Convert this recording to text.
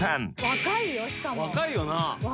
若いよな。